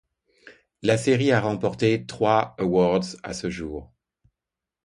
La série a remporté trois awards à ce jour.